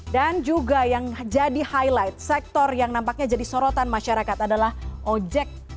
dan juga yang jadi highlight sektor yang nampaknya jadi sorotan masyarakat adalah ojek